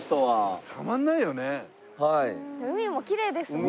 海もきれいですもんね。